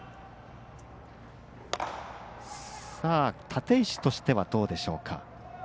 立石としてはどうでしょうか。